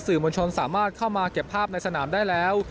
มวลชนสามารถเข้ามาเก็บภาพในสนามได้แล้ว